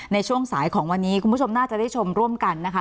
ในช่วงสายของวันนี้คุณผู้ชมน่าจะได้ชมร่วมกันนะคะ